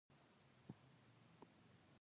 مشوره د اسلام ستر اصل دئ.